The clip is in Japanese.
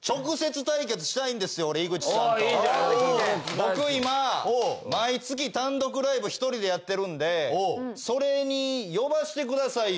僕今毎月単独ライブ１人でやってるんでそれに呼ばせてくださいよ。